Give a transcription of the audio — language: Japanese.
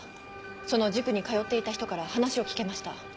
その塾に通っていた人から話を聞けました。